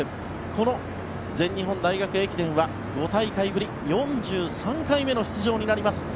この全日本大学駅伝は５大会ぶり４３回目の出場になります。